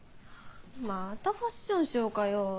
またファッションショーかよ。